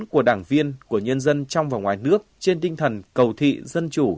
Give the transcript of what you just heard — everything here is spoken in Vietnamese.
của đảng viên của nhân dân trong và ngoài nước trên tinh thần cầu thị dân chủ